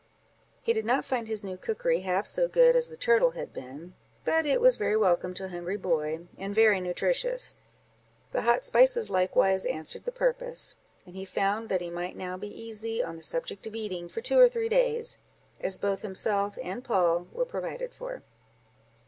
He did not find his new cookery half so good as the turtle had been, but it was very welcome to a hungry boy, and very nutritious; the hot spices likewise answered the purpose; and he found that he might now be easy, on the subject of eating for two or three days, as both himself and Poll were provided for.